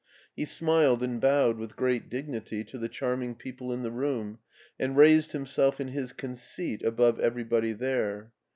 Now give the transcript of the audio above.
He smiled and bowed with great dignity to the charming people in the room, and raised himself in his conceit above everybody there.